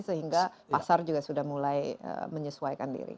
sehingga pasar juga sudah mulai menyesuaikan diri